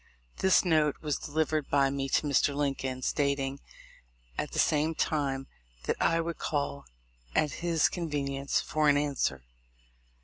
This note was delivered by me to Mr. Lincoln, stating, at the same time, that I would call at his convenience for an answer.